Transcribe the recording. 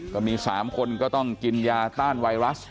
ก็มี๓คนก็ต้องกินยาต้านไวรัส